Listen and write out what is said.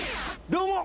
どうも！